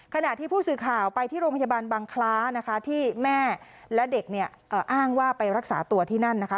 ขณะที่ผู้สื่อข่าวไปที่โรงพยาบาลบังคล้านะคะที่แม่และเด็กเนี่ยอ้างว่าไปรักษาตัวที่นั่นนะคะ